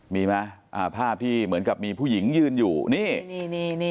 มีไหมภาพที่เหมือนกับมีผู้หญิงยืนอยู่นี่นี่